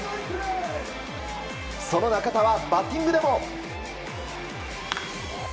その中田はバッティングでも。